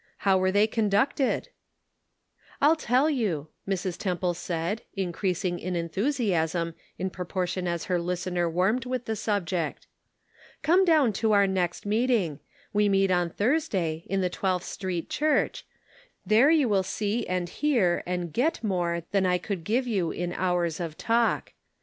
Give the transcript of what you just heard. How were they conducted ? "I'll tell you," Mrs. Temple said, increasing Subtle Distinctions. 147 in enthusiasm in proportion as her listener warmed with the subject. Come down to our next meeting; we meet on Thursday, in the Twelfth Street Church ; there you will see and hear, and get more than I could give you in hours of talk.